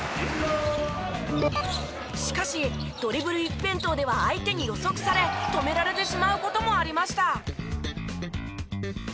しかしドリブル一辺倒では相手に予測され止められてしまう事もありました。